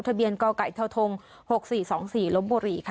ทะเบียนกไก่เทาทง๖๔๒๔ล้มบุรี